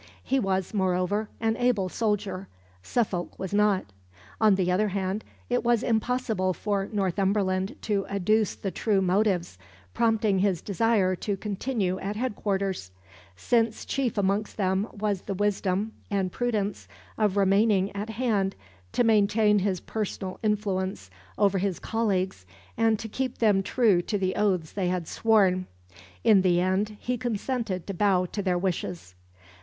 He was, moreover, an able soldier; Suffolk was not. On the other hand, it was impossible for Northumberland to adduce the true motives prompting his desire to continue at headquarters; since chief amongst them was the wisdom and prudence of remaining at hand to maintain his personal influence over his colleagues and to keep them true to the oaths they had sworn. In the end he consented to bow to their wishes.